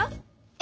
え？